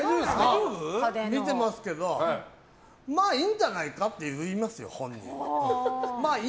見てますけどまあいいんじゃないかなって言いますよ、本人。